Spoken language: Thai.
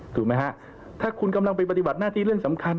ถูกไหมฮะถ้าคุณกำลังไปปฏิบัติหน้าที่เรื่องสำคัญ